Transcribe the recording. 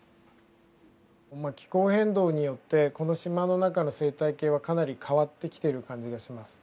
気候変動によってこの島の中の生態系はかなり変わってきている感じがします。